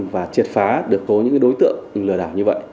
và triệt phá được đối tượng lừa đảo như vậy